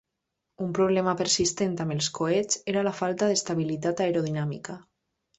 Un problema persistent amb els coets era la falta d'estabilitat aerodinàmica.